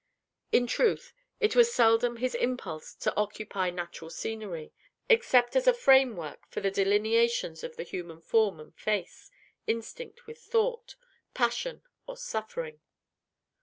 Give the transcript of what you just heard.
In truth, it was seldom his impulse to copy natural scenery, except as a framework for the delineations of the human form and face, instinct with thought, passion, or suffering.